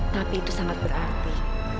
tapi itu sangat berarti